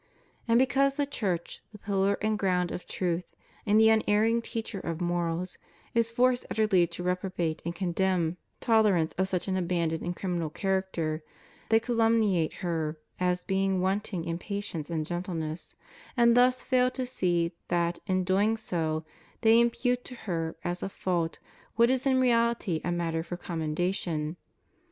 And because the Church, the pillar and ground of truth, and the unerring teacher of morals, is forced utterly to reprobate and condemn tolerance of such an abandoned and criminal character, they calum niate her as being wanting in patience and gentleness, and thus fail to see that, in so doing, they impute to her as a fault what is in reality a matter for commendation.